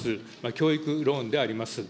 教育ローンであります。